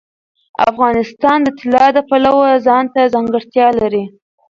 افغانستان د طلا د پلوه ځانته ځانګړتیا لري.